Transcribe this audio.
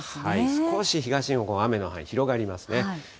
少し東日本、雨の範囲、広がりますね。